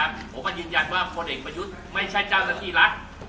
ผมก็ยืนยันว่าพลเอกประยุทธ์ไม่ใช่เจ้าหน้าที่รัฐ